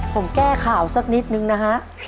ผมแก้ข่าวสักนิดนึงนะฮะ